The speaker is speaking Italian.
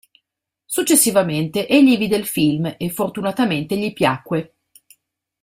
Successivamente, egli vide il film e fortunatamente gli piacque.